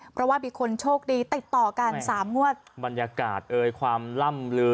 เพราะว่ามีคนโชคดีติดต่อกันสามงวดบรรยากาศเอ่ยความล่ำลือ